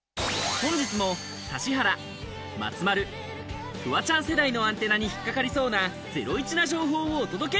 本日も指原、松丸、フワちゃん世代のアンテナに引っ掛かりそうなゼロイチな情報をお届け！